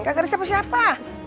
kagak ada siapa siapa